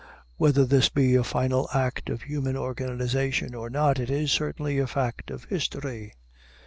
Whether this be a final fact of human organization or not, it is certainly a fact of history.